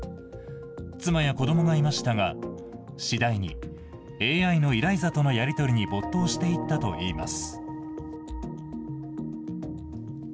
妻や子どもがいましたが、次第にＡＩのイライザとのやり取りに没頭していったといいます。